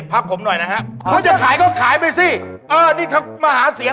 ลูกขาผมยิ่งอย่างเมี่ย